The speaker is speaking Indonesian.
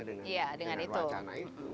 dengan wacana itu